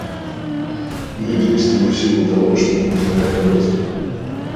Мы действуем в силу того, что мы признаем полезным.